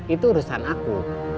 itu urusan aku